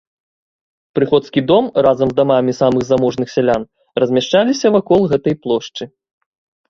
Прыходскі дом, разам з дамамі самых заможных сялян, размяшчаліся вакол гэтай плошчы.